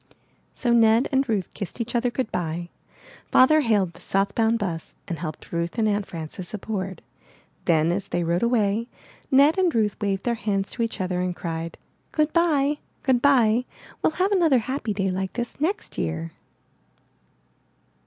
So Ned and Ruth kissed each other good bye. Father hailed the south bound bus and helped Ruth and Aunt Frances aboard. Then, as they rode away, Ned and Ruth waved their hands to each other and cried: ''Goodbye! Goodbye! WeUl have another happy day like this next year!"